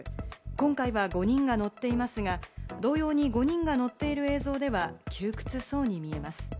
今回は５人が乗っていますが、同様に５人が乗っている映像では窮屈そうに見えます。